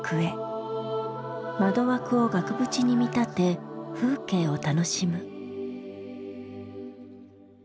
窓枠を額縁に見立て風景を楽しむ。